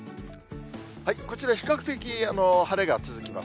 こちら、比較的晴れが続きます。